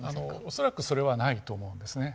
恐らくそれはないと思うんですね。